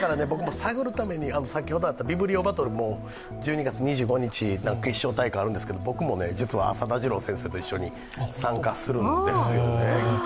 探るために先ほどあったビブリオバトルも１２月２５日、決勝大会があるんですけど、実は僕も浅田次郎先生と一緒に参加するんですよね。